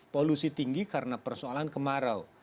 polusi tinggi karena persoalan kemarau